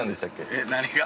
えっ？何が？